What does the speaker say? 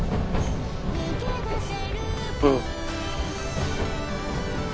うん。